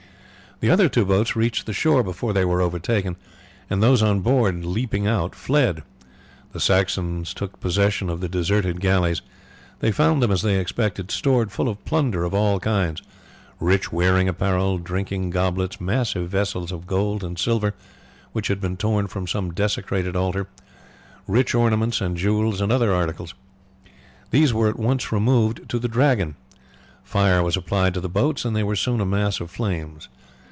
The other two boats reached the shore before they were overtaken, and those on board leaping out fled. The Saxons took possession of the deserted galleys. They found them, as they expected, stored full of plunder of all kinds rich wearing apparel, drinking goblets, massive vessels of gold and silver which had been torn from some desecrated altar, rich ornaments and jewels and other articles. These were at once removed to the Dragon. Fire was applied to the boats, and they were soon a mass of flames.